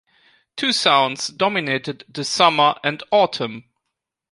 Two sounds dominated the Summer and Autumn.